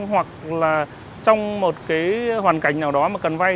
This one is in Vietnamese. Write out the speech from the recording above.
hoặc là trong một cái hoàn cảnh nào đó mà cần vay